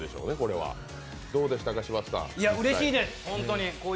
うれしいです、ホントに。